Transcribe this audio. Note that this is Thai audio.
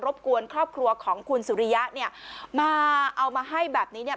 บกวนครอบครัวของคุณสุริยะเนี่ยมาเอามาให้แบบนี้เนี่ย